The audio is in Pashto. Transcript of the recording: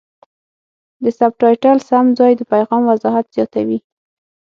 د سبټایټل سم ځای د پیغام وضاحت زیاتوي.